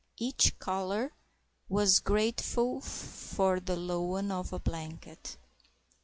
Each caller was grateful for the loan of a blanket.